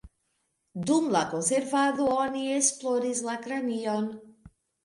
Dum la konservado oni esploris la kranion.